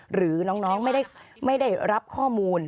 หรือน้องไม่ได้รับข้อมูล